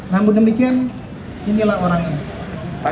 namun demikian inilah orangnya